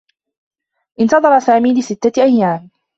انتظر سامي لستّة أيّام.